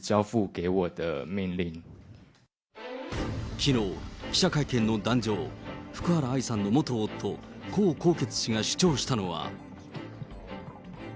きのう、記者会見の檀上、福原愛さんの元夫、江宏傑氏が主張したのは。